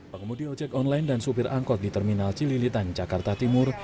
pengemudi ojek online dan supir angkot di terminal cililitan jakarta timur